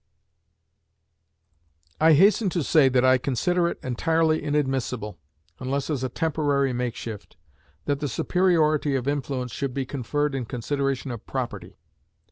I hasten to say that I consider it entirely inadmissible, unless as a temporary makeshift, that the superiority of influence should be conferred in consideration of property.